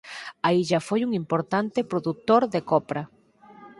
A illa foi un importante produtor de copra.